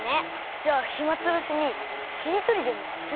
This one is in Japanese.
じゃあひまつぶしにしりとりでもする？